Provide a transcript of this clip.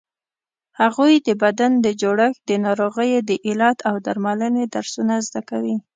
هغوی د بدن د جوړښت، د ناروغیو د علت او درملنې درسونه زده کوي.